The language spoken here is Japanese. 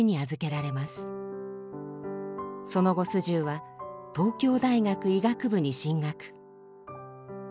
その後素十は東京大学医学部に進学。